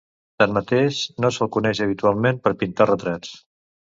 Tanmateix, no se'l coneix habitualment per pintar retrats.